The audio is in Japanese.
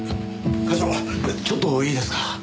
課長ちょっといいですか？